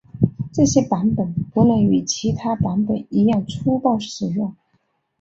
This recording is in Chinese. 这些版本不能与其他版本一样粗暴使用。